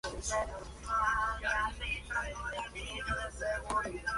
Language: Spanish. El match se jugó en distintas ciudades de la Alemania nazi.